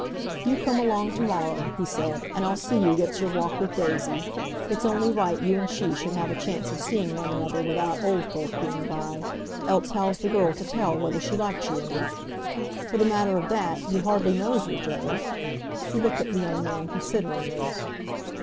"You come along to morrow," he said, "and I'll see you gets your walk with Daisy. It's only right you and she should have a chance of seeing one another without old folk being by; else how's the girl to tell whether she likes you or not! For the matter of that, you hardly knows her, Joe—" He looked at the young man consideringly.